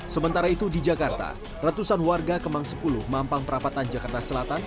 sementara itu di jakarta ratusan warga kemang sepuluh mampang perapatan jakarta selatan